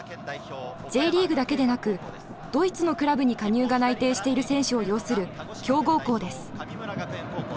Ｊリーグだけでなくドイツのクラブに加入が内定している選手を擁する強豪校です。